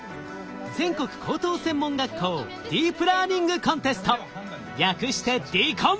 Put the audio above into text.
全国高等専門学校ディープラーニングコンテスト略してＤＣＯＮ！